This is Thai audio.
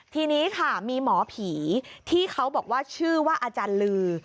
ทีนี้ค่ะมีหมอผีที่เขาบอกว่าชื่อว่าอาจารย์ลือ